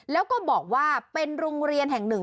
แล้วก็บอกว่าเป็นโรงเรียนแห่งหนึ่ง